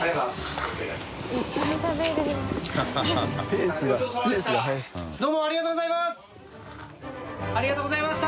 靴拭ありがとうございます！